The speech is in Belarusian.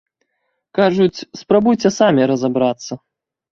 Кажуць, спрабуйце самі разабрацца.